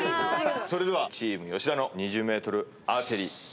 それではチーム吉田の２０ｍアーチェリー。